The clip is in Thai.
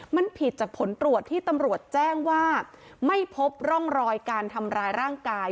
มันผิดจากผลตรวจที่ตำรวจแจ้งว่าไม่พบร่องรอยการทำร้ายร่างกาย